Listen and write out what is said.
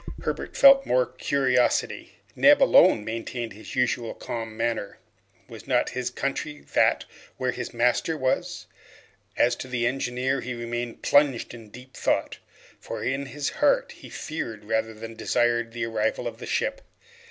Herbert felt more curiosity. Neb alone maintained his usual calm manner. Was not his country that where his master was? As to the engineer, he remained plunged in deep thought, and in his heart feared rather than desired the arrival of the ship.